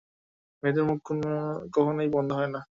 মেয়েদের মুখ কখনোই বন্ধ হয় না!